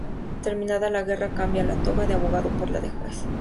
Terminada la guerra cambia la toga de abogado por la de juez.